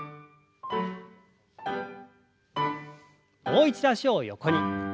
もう一度脚を横に。